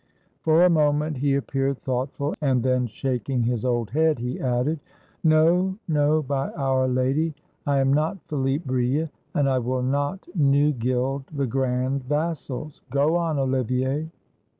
For a moment he appeared thoughtful, and then, shaking his old head, he added: "No, no; by our Lady, I am not Philip Brille, and I will not new gild the grand vassals. Go on, Olivier."